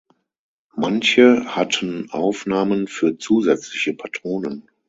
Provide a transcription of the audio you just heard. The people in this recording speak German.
Manche hatten Aufnahmen für zusätzliche Patronen.